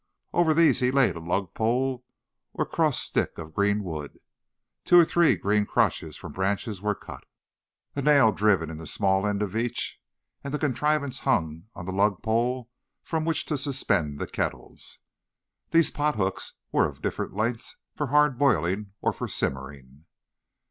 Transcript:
Over these he laid a lug pole or cross stick of green wood. Two or three green crotches from branches were cut, a nail driven in the small end of each, and the contrivance hung on the lug pole from which to suspend the kettles. These pot hooks were of different lengths for hard boiling or for simmering.